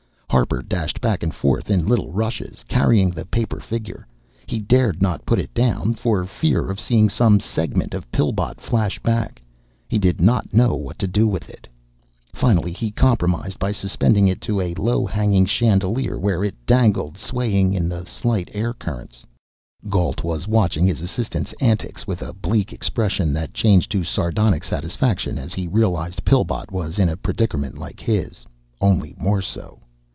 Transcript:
Harper dashed back and forth in little rushes, carrying the paper figure. He dared not put it down, for fear of seeing some segment of Pillbot flash back. He did not know what to do with it. Finally he compromised by suspending it to a low hanging chandelier, where it dangled swaying in the slight air currents. Gault was watching his assistant's antics with a bleak expression that changed to sardonic satisfaction as he realized Pillbot was in a predicament like his only more so.